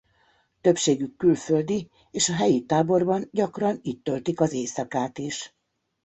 Többségük külföldi és a helyi táborban gyakran itt töltik az éjszakát is.